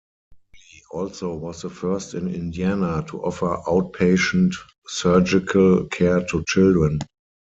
Riley also was the first in Indiana to offer outpatient surgical care to children.